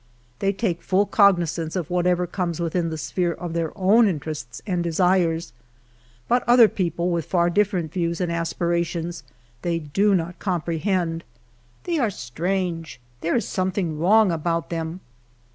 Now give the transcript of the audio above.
They take full cognizance of whatever comes within the sphere of their own interests and desires, but other people, with far different views and aspirations, they do not comprehend. They are strange, there is some thing wrong about them.